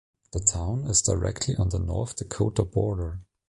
The town is directly on the North Dakota border.